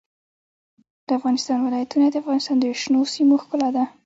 د افغانستان ولايتونه د افغانستان د شنو سیمو ښکلا ده.